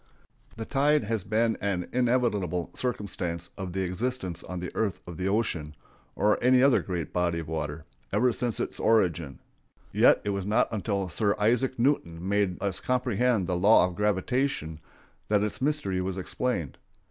] The tide has been an inevitable circumstance of the existence on the earth of the ocean, or any other great body of water, ever since its origin, yet it was not until Sir Isaac Newton made us comprehend the law of gravitation that its mystery was explained.